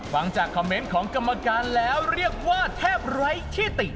ฟังจากคอมเมนต์ของกรรมการแล้วเรียกว่าแทบไร้ที่ติ